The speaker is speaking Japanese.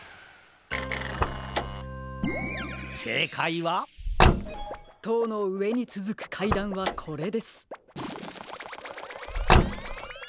せいかいはとうのうえにつづくかいだんはこれです。